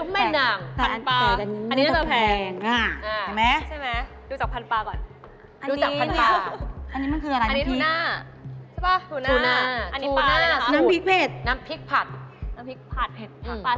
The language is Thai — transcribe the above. มันช่ากินประจำ